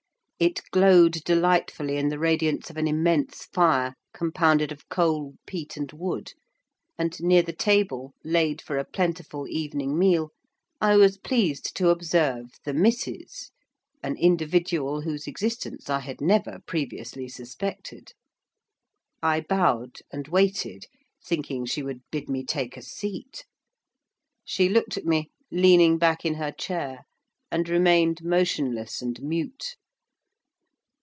It glowed delightfully in the radiance of an immense fire, compounded of coal, peat, and wood; and near the table, laid for a plentiful evening meal, I was pleased to observe the "missis," an individual whose existence I had never previously suspected. I bowed and waited, thinking she would bid me take a seat. She looked at me, leaning back in her chair, and remained motionless and mute.